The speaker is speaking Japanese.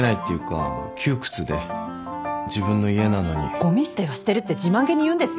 「ごみ捨てはしてる」って自慢げに言うんですよ。